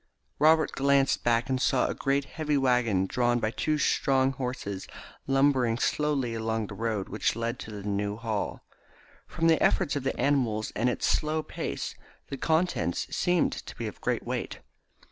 Robert glanced back and saw a great heavy waggon drawn by two strong horses lumbering slowly along the road which led to the New Hall. From the efforts of the animals and its slow pace the contents seemed to be of great weight.